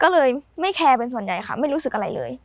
ก็เลยไม่แคร์เป็นส่วนใหญ่ค่ะไม่รู้สึกอะไรเลย